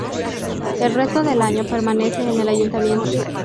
El resto del año permanece en el Ayuntamiento.